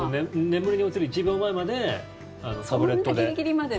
眠りに落ちる１秒前までタブレットで。